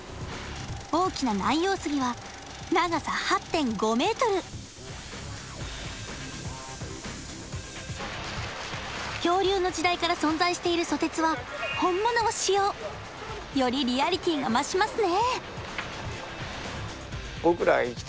大きなナンヨウスギは長さ８．５メートル恐竜の時代から存在しているソテツは本物を使用よりリアリティーが増しますね